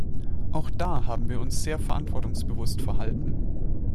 Auch da haben wir uns sehr verantwortungsbewusst verhalten.